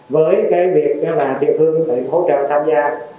với cái việc là tiểu thương phải hỗ trợ tham gia